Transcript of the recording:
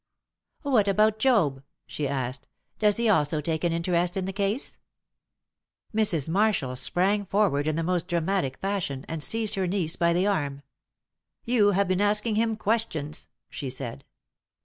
"What about Job?" she asked. "Does he also take an interest in the case?" Mrs. Marshall sprang forward in the most dramatic fashion, and seized her niece by the arm. "You have been asking him questions," she said.